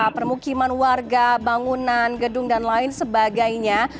permukiman warga bangunan gedung dan lain sebagainya